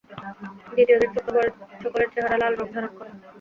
দ্বিতীয় দিন শুক্রবারে সকলের চেহারা লাল রঙ ধারণ করে।